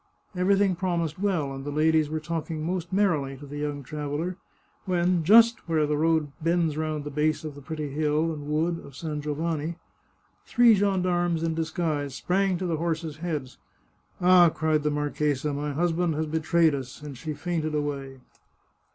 Everything promised well, and the ladies were talking most merrily to the young traveller when, just where the road bends round the base of the pretty hill and wood of San Giovanni, three gendarmes in disguise sprang to the horses' heads. " Ah !" cried the marchesa, " my husband has be trayed us !" and she fainted away.